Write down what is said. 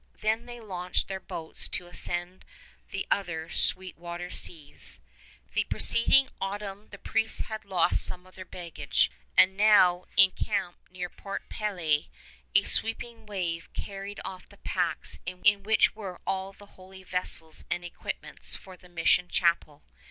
Then they launched their boats to ascend the other Sweet Water Seas. The preceding autumn the priests had lost some of their baggage, and now, in camp near Point Pelee, a sweeping wave carried off the packs in which were all the holy vessels and equipments for the mission chapel.